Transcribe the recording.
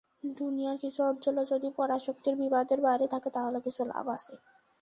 দুনিয়ার কিছু অঞ্চলও যদি পরাশক্তির বিবাদের বাইরে থাকে, তাহলেও কিছু লাভ আছে।